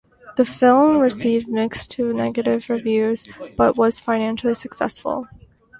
The film received mixed to negative reviews but was financially successful.